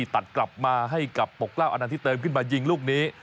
ตัดกลับมาให้กับปกเกล้าอนันที่เติมขึ้นมายิงลูกนี้